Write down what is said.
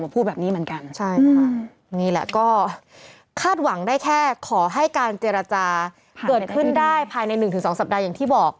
ภายใน๑ถึง๒สัปดาห์อย่างที่บอก